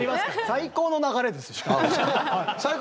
最高の流れですか？